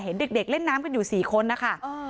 เห็นเด็กเล่นน้ำกันอยู่๔คนนะคะ